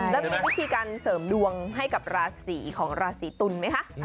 แล้วมีวิธีการเสริมดวงให้กับราศีของราศีตุลไหมคะ